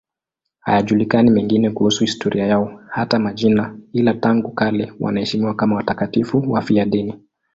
Hayajulikani mengine kuhusu historia yao, hata majina, ila tangu kale wanaheshimiwa kama watakatifu wafiadini.